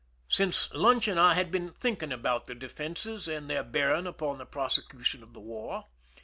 Since lunch eon I had been thinking about the defenses and their bearing upon the prosecution of the war.